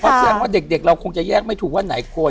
ก็แสดงว่าเด็กเราคงจะแยกไม่ถูกว่าไหนควร